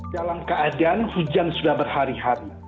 dalam keadaan hujan sudah berhari hari